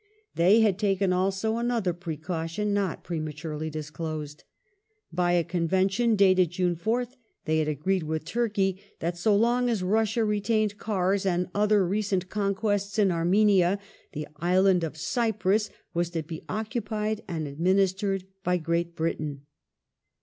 They had taken, also, another precaution not prematurely disclosed. By a convention dated June 4th ^ they had agreed with Turkey that, so long as Russia retained Kars and other recent conquests in Armenia, the Island of Cyprus was to be "occupied and administered" by Great Britain.